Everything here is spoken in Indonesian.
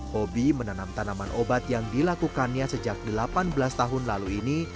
hobi menanam tanaman obat yang dilakukannya sejak delapan belas tahun lalu ini